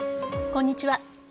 こんにちは。